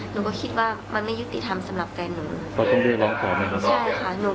หนูก็คิดว่ามันไม่ยุติธรรมสำหรับแกนหนู